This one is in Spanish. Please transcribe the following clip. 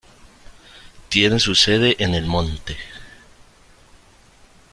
Tiene su sede en El Monte.